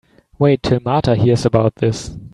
Wait till Martha hears about this.